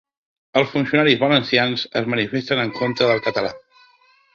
Els funcionaris valencians es manifesten en contra del català